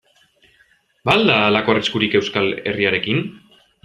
Ba al da halako arriskurik Euskal Herriarekin?